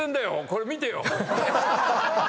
これ見てよ。